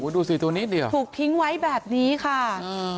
ดูสีตัวนี้ดีหรอถูกทิ้งไว้แบบนี้ค่ะ